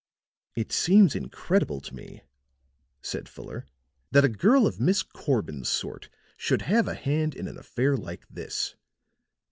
"It seems incredible to me," said Fuller, "that a girl of Miss Corbin's sort should have a hand in an affair like this.